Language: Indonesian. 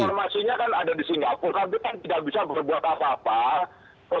informasinya kan ada di singapura tapi kan tidak bisa berbuat apa apa